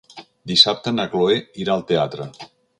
Dissabte na Cloè irà al teatre.